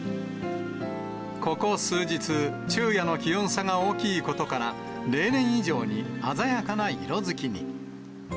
ここ数日、昼夜の気温差が大きいことから、例年以上に鮮やかな色づきに。